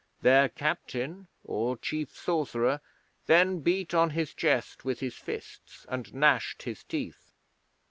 Their captain or chief sorcerer then beat on his chest with his fists, and gnashed his teeth.